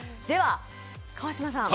川島さん